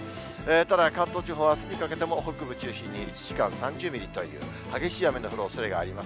ただ、関東地方、あすにかけても北部中心に１時間に３０ミリという激しい雨の降るおそれがあります。